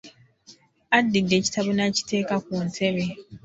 Addidde ekitabo n’akiteeka ku ntebe.